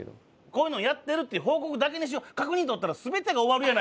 こういうのをやってるっていう報告だけにしよう。